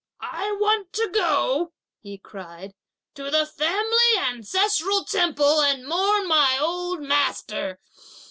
"I want to go," he cried, "to the family Ancestral Temple and mourn my old master.